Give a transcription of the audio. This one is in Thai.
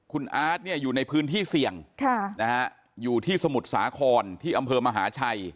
คุณอาร์ตเนี่ยอยู่ในพื้นที่เสี่ยงอยู่ที่สมุทรสาครที่อำเภอมหาชัย